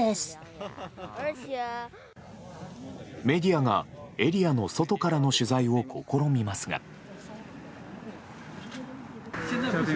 メディアがエリアの外からの取材を試みますが。